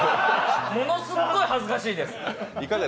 ものすごく恥ずかしいです。